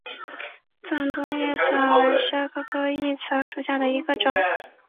藏东薹草为莎草科薹草属下的一个种。